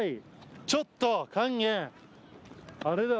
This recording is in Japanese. ちょっと勸玄あれだわ。